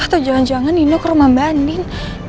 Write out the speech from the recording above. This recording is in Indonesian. atau jangan jangan nino ke rumah mbak andin